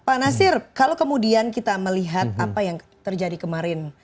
pak nasir kalau kemudian kita melihat apa yang terjadi kemarin